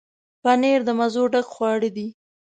پنېر د مزو ډک خواړه دي.